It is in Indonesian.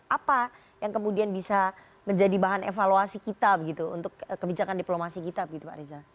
apa yang kemudian bisa menjadi bahan evaluasi kita begitu untuk kebijakan diplomasi kita begitu pak reza